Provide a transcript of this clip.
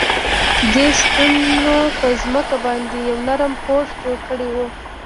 دې ستنو په ځمکه باندې یو نرم پوښ جوړ کړی و